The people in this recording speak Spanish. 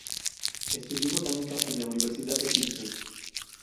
Estudió botánica en la Universidad de Sídney.